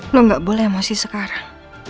lo gak boleh masih sekarang